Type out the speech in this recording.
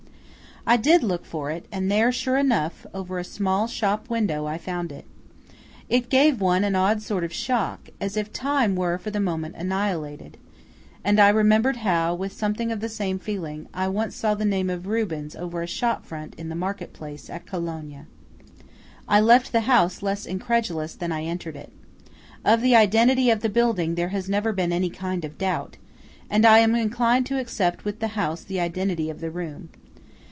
I did look for it; and there, sure enough, over a small shop window I found it. It gave one an odd sort of shock, as if time were for the moment annihilated; and I remembered how, with something of the same feeling, I once saw the name of Rubens over a shop front in the marketplace at Cologne. I left the house less incredulous than I entered it. Of the identity of the building there has never been any kind of doubt; and I am inclined to accept with the house the identity of the room.